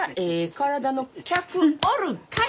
体の客おるかい！